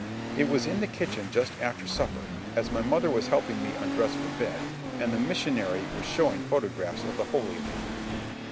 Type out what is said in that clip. It was in the kitchen just after supper, as my mother was helping me undress for bed, and the missionary was showing photographs of the Holy Land.